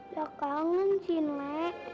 gak kangen sih nek